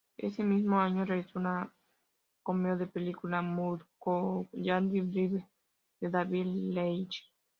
Ese mismo año realizó un cameo en la película "Mulholland Drive" de David Lynch.